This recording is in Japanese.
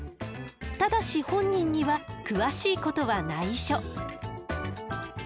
ただし本人には詳しいことはないしょ。